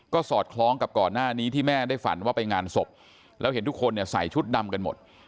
ก็สอดคล้องกับก่อนหน้านี้ที่แม่ได้ฝันว่าไปงานศพแล้วเห็นทุกคนเนี่ยใส่ชุดดำกันหมด